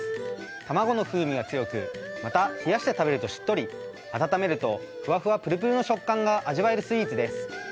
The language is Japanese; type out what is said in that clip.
卵の風味が強くまた冷やして食べるとしっとり温めるとふわふわぷるぷるの食感が味わえるスイーツです。